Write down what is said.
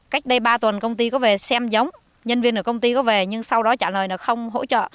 cách đây ba tuần công ty có về xem giống nhân viên của công ty có về nhưng sau đó trả lời là không hỗ trợ